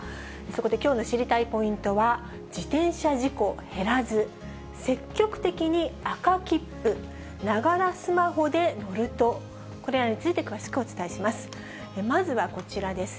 そこで、きょうの知りたいポイントは、自転車事故減らず、積極的に赤切符。ながらスマホで乗ると、これらについて詳しくお伝えします。